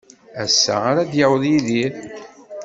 Ass-a ara d-yaweḍ Yidir.